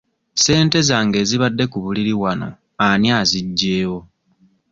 Ssente zange ezibadde ku buliri wano ani aziggyewo?